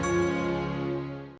saya sudah penis kembali